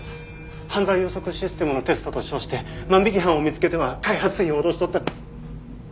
犯罪予測システムのテストと称して万引き犯を見つけては開発費を脅し取ったり。